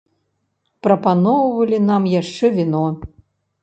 Прапаноўвалі нам яшчэ віно.